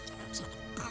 orang orang ada bu